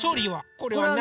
これはね